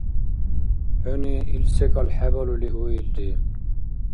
ХӀуни ил секӀал хӀебалули уилри.